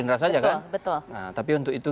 harusnya barangkali mengiter